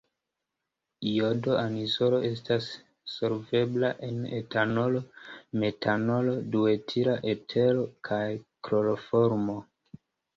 Jodo-anizolo estas solvebla en etanolo, metanolo, duetila etero kaj kloroformo.